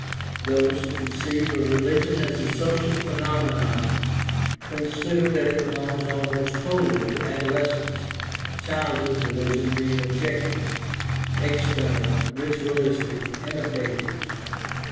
Those who conceive of religion as a social phenomenon consider that it belongs almost wholly to adolescence, childhood religion being objective, .external, ritualistic, imitative.